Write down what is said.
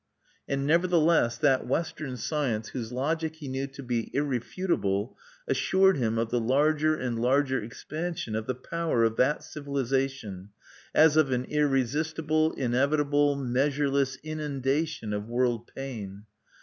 And, nevertheless, that Western science whose logic he knew to be irrefutable assured him of the larger and larger expansion of the power of that civilization, as of an irresistible, inevitable, measureless inundation of world pain.